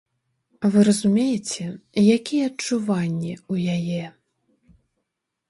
Вы разумееце, якія адчуванні ў яе?